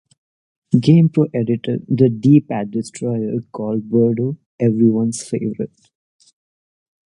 GamePro editor "The D-Pad Destroyer" called Birdo "everyone's favorite".